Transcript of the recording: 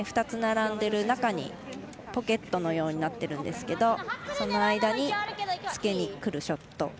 ２つ並んでいる中にポケットのようになっててその間に、つけにくるショット。